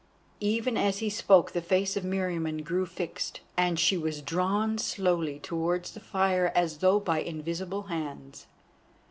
Even as he spoke the face of Meriamun grew fixed, and she was drawn slowly towards the fire, as though by invisible hands.